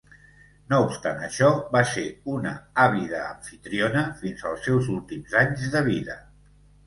No obstant això, va ser una àvida amfitriona fins els seus últims anys de vida.